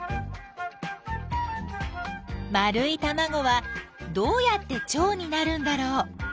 丸いたまごはどうやってチョウになるんだろう？